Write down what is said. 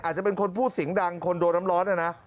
อาจจะเป็นคนผู้สิงดังคนโดน้ำล้อน